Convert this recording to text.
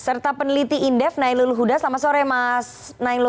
serta peneliti indef nailul huda selamat sore mas nailul